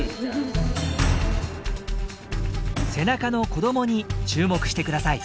背中の子どもに注目して下さい。